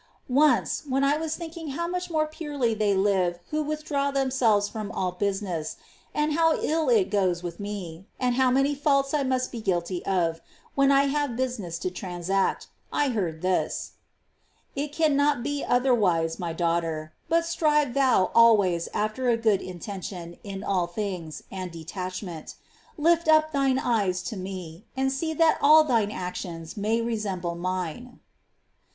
4. Once, when I was thinking how much more Detaolimenti purely they live who withdraw themselves from all business, and how ill it goes with me, and how many faults I must be guilty of, when I have business to transact, I heard this :" It cannot be otherwise. My daughter ; but strive thou always after a good intention in all things, and detachment ; lift up thine eyes to Me, and see that all thine actions may resemble Mine."